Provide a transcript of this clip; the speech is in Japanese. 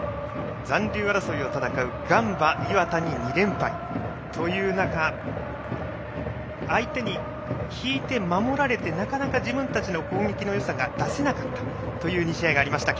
残留争いを戦うガンバ、磐田に２連敗という中相手に引いて守られてなかなか自分たちの攻撃のよさが出せなかったという２試合がありました。